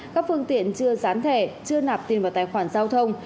các phương tiện chưa gián thẻ chưa nạp tiền vào tài khoản giao thông